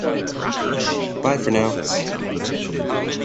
Bye for now!